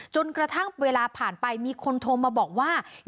จนกระทั่งเวลาผ่านไปมีคนโทรมาบอกว่า